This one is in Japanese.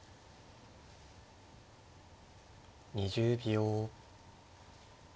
２０秒。